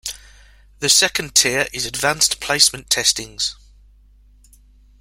The second tier is advanced placement testings.